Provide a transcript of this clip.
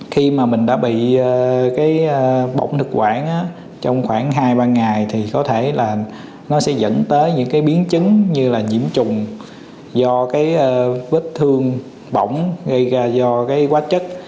khi mà mình đã bị cái bỏng nước quản trong khoảng hai ba ngày thì có thể là nó sẽ dẫn tới những cái biến chứng như là nhiễm trùng do cái vết thương bỏng gây ra do cái quá chất